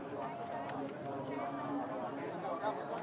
เมื่อเวลาอันดับสุดท้ายมันกลายเป็นอันดับสุดท้าย